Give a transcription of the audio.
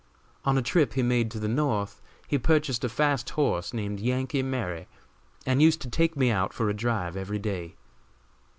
On a trip he made to the North he purchased a fast horse named "Yankee Mary," and used to take me out for a drive every day.